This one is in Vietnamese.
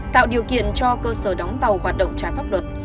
tạo điều kiện cho cơ sở đóng tàu hoạt động trái pháp luật